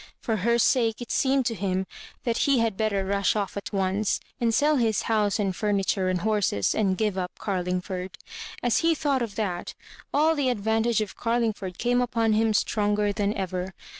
For her sake it seemed to him that he had better rush off at once, and sell his house and furni ture and horses, and give up Carlmgford. As he thought of that, all the advantages of Carlingford came upon him stronger than ever.